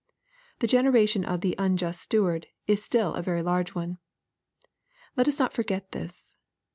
The generation of " the unjust steward" is still a very large one. Let us not for get this.